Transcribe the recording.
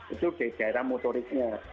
itu di daerah motoriknya